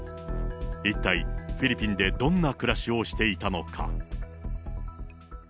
一体フィリピンでどんな暮らしをしていたのか。